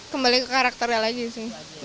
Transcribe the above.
kembali ke karakternya lagi sih